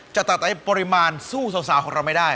จะตักได้ปริมาณสู้เศร้าของเราไม่ได้